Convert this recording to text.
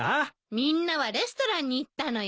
みんなはレストランに行ったのよ。